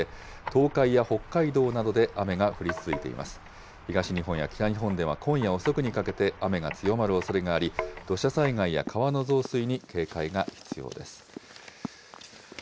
東日本や北日本では今夜遅くにかけて、雨が強まるおそれがあり、土砂災害や川の増水に警戒が必要